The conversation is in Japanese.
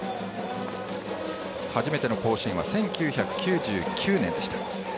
初めての甲子園は１９９９年でした。